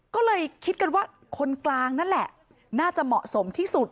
ก็เลยคิดกันว่าคนกลางนั่นแหละน่าจะเหมาะสมที่สุด